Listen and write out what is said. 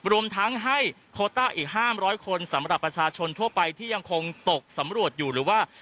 รวมทั้งให้โคต้าอีก๕๐๐คนสำหรับประชาชนทั่วไปที่ยังคงตกสำรวจอยู่หรือว่า